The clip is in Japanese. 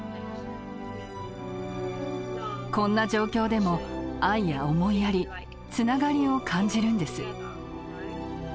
こんな状況でも愛や思いやりつながりを感じるんです。